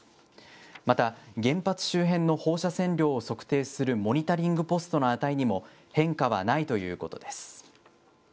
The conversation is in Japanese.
また原発周辺の放射線量を測定するモニタリングポストの値にも変化はないということです。